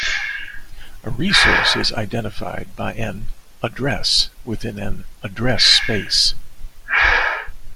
A resource is identified by an "address" within an "address space".